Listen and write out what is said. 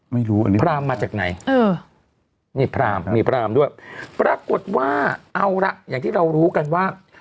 ไม่รู้อันนี้พรามมาจากไหนเออนี่พรามมีพรามด้วยปรากฏว่าเอาละอย่างที่เรารู้กันว่า